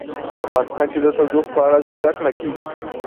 افغانستان کې د تودوخه په اړه زده کړه کېږي.